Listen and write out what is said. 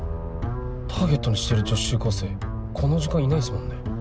ターゲットにしてる女子中高生この時間いないっすもんね。